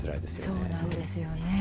そうなんですよね。